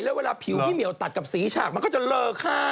แล้วเวลาผิวพี่เหมียวตัดกับสีฉากมันก็จะเลอค่า